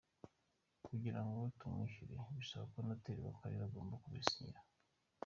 Kugirango tumwishyure bisaba ko noteri w’akarere agomba kubisinyira.